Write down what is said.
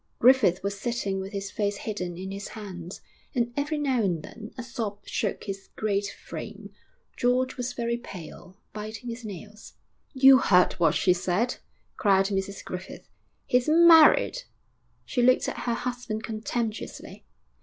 Griffith was sitting with his face hidden in his hands, and every now and then a sob shook his great frame. George was very pale, biting his nails. 'You heard what she said,' cried Mrs Griffith. 'He's married!' ... She looked at her husband contemptuously.